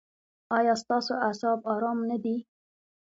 ایا ستاسو اعصاب ارام نه دي؟